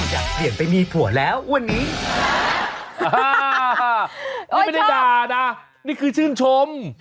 นี่ไม่ได้ด่านี่คือชื่นชม